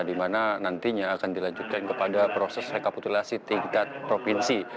di mana nantinya akan dilanjutkan kepada proses rekapitulasi tingkat provinsi